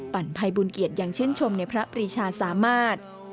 ปันภัยบุญเกียจอย่างชื่นชมในพระปริชาสามาส